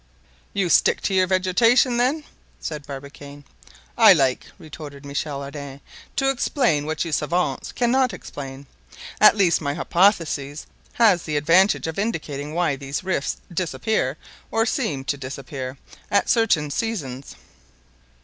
"You stick to your vegetation, then?" said Barbicane. "I like," retorted Michel Ardan, "to explain what you savants cannot explain; at least my hypotheses has the advantage of indicating why these rifts disappear, or seem to disappear, at certain seasons."